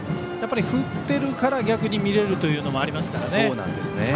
振っているから逆に見れるというのもありますからね。